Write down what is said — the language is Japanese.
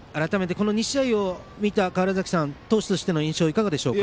この２試合を見て、川原崎さん投手としての印象はいかがでしょうか？